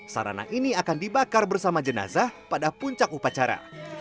sarana ini akan dibakar bersama jenazah pada puncak upacara